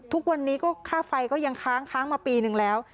ทุกวันนี้ก็ค่าไฟก็ยังค้างค้างมาปีนึงแล้ว